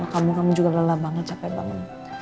kamu kamu juga lelah banget capek banget